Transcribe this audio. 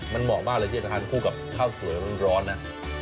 มันเหมาะมากเลยที่จะทานคู่กับข้าวสวยร้อนนะ